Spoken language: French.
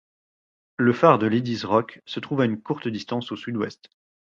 Le phare de Lady's Rock se trouve à une courte distance au sud-ouest.